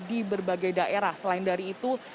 di berbagai daerah selain dari itu